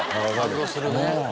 感動するね。